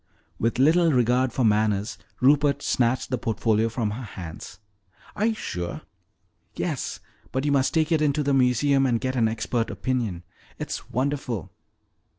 With little regard for manners, Rupert snatched the portfolio from her hands. "Are you sure?" "Yes. But you must take it in to the museum and get an expert opinion. It's wonderful!"